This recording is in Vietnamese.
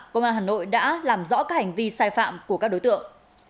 công an hà nội đã làm rõ các hành vi sai phạm của các đối tượng